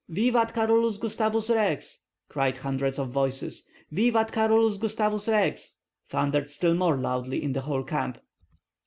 "Vivat Carolus Gustavus Rex!" cried hundreds of voices. "Vivat Carolus Gustavus Rex!" thundered still more loudly in the whole camp.